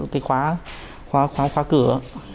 cái khóa cửa